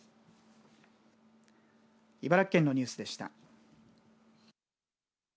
茨城県のニュースでした。